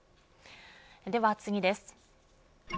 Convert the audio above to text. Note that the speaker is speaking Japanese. では次です。